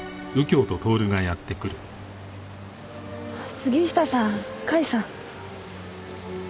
杉下さん甲斐さん。